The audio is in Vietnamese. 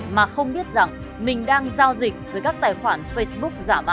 mà không biết rằng mình đang giữ